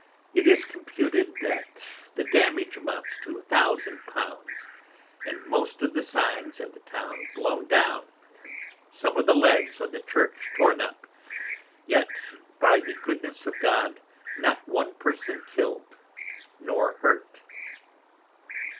It is computed, that the damage amounts to 1000 l. And most of the Signs in the Town blown down, and some of the Leads on the Church torn up: Yet by the goodness of God, not one Person killed nor hurt.